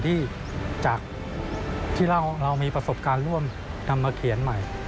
ที่จากที่เรามีประสบการณ์ร่วมนำมาเขียนใหม่